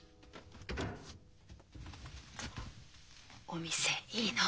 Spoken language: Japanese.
お店いいの？